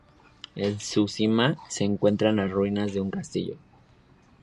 En su cima, se encuentra las ruinas de un castillo.